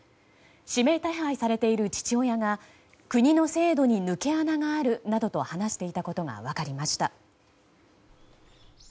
指名手配されている父親が国の制度に抜け穴があるなどと話していたことが分かりました。